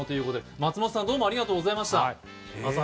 松本さん、朝早くからどうもありがとうございました。